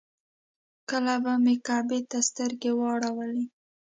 کله به مې کعبې ته سترګې واړولې.